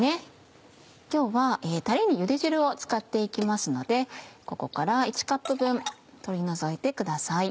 今日はたれにゆで汁を使って行きますのでここから１カップ分取り除いてください。